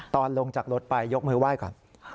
ลงจากรถไปยกมือไหว้ก่อน